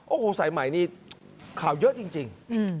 โอ้โหสายใหม่นี่ข่าวเยอะจริง